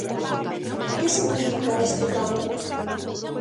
Que significa este cambio?